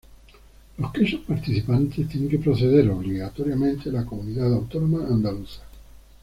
Los quesos participantes tienen que proceder obligatoriamente de la comunidad autónoma andaluza.